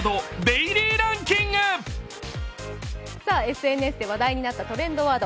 ＳＮＳで話題になったトレンドワード。